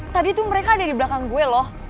tadi tuh mereka ada di belakang gue loh